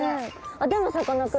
でもさかなクン